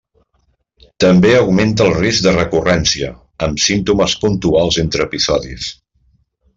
També augmenta el risc de recurrència, amb símptomes puntuals entre episodis.